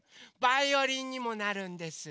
バイオリンにもなるんです。